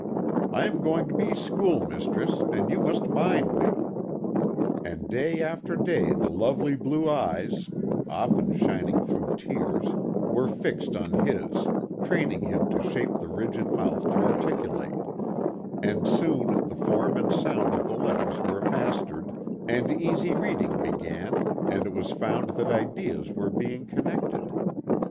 I am going to be school mistress, and you must mind me," and day after day the lovely blue eyes (often shining through tears) were fixed on his, training him to shape the rigid mouth to articulate, and soon the form and sound of the letters were mastered and easy read ing began and it was found that ideas were being connected.